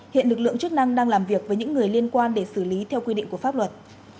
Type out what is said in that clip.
hiện lực lượng chức năng đang làm việc với những người liên quan để xử lý theo quy định của pháp luật